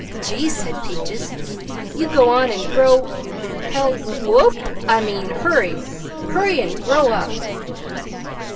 "Gee!" said Peaches. "You go on an' grow hel wope! I mean hurry! Hurry an' grow up!"